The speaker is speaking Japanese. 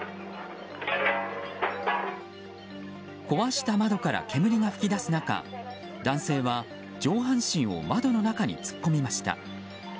壊した窓から煙が噴き出す中男性は上半身を窓の中に突っ込みました。